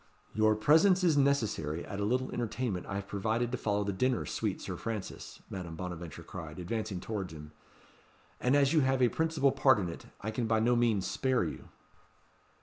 "Your presence is necessary at a little entertainment I have provided to follow the dinner, sweet Sir Francis," Madame Bonaventure cried, advancing towards him; "and as you have a principal part in it, I can by no means spare you."